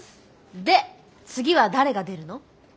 で次は誰が出るの？